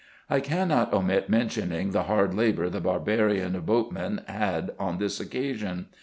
I cannot omit mentioning the hard labour the barbarian boat men had on tins occasion.